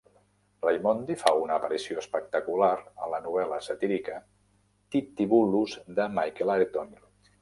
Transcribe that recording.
Raimondi fa una aparició espectacular a la novel·la satírica Tittivulus de Michael Ayrton.